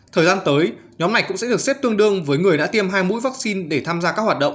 thời gian tới nhóm này cũng sẽ được xếp tương đương với người đã tiêm hai mũi vaccine để tham gia các hoạt động